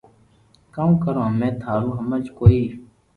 ڪاوُ ڪرو امي ٿارو ھمج ڪوئي ّ